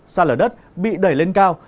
xa lở đất bị đẩy lên cao